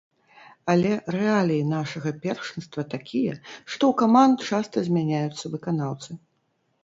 Але рэаліі нашага першынства такія, што ў каманд часта змяняюцца выканаўцы.